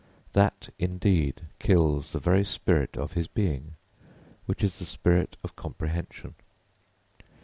That indeed kills the very spirit of his being, which is the spirit of comprehension.